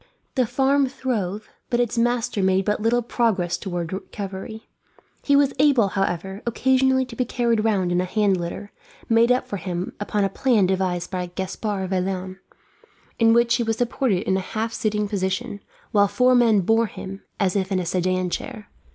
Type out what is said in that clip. The farm throve, but its master made but little progress towards recovery. He was able, however, occasionally to be carried round in a hand litter, made for him upon a plan devised by Gaspard Vaillant; in which he was supported in a half sitting position, while four men bore him as if in a Sedan chair.